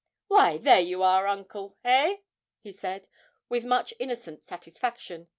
'Why, there you are, uncle eh?' he said, with much innocent satisfaction.